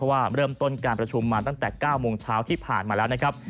ว่าเริ่มต้นการประชุมมาตั้งแต่๙โมงเช้าที่ผ่านมาแล้วนะครับ